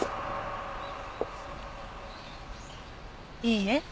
いいえ。